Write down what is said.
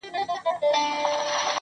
د شېخ د فتواگانو چي په امن لرې خدايه,